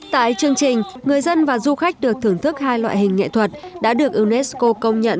tại chương trình người dân và du khách được thưởng thức hai loại hình nghệ thuật đã được unesco công nhận